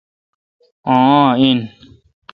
آں آ ۔این